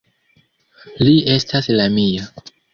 Li estas la mia!